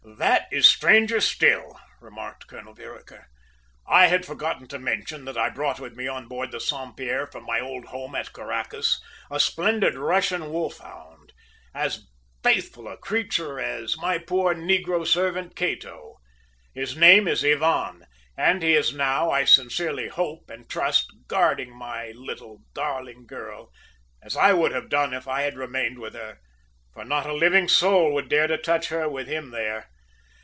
"That is stranger still," remarked Colonel Vereker. "I had forgotten to mention that I brought with me on board the Saint Pierre from my old home at Caracas a splendid Russian wolf hound, as faithful a creature as my poor negro servant Cato. His name is Ivan, and he is now, I sincerely hope and trust, guarding my little darling girl, as I would have done if I had remained with her, for not a living soul would dare to touch her with him there.